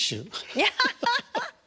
いやハハハハ。